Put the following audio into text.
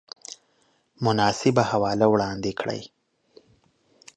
مناسبه حواله وړاندې کړئ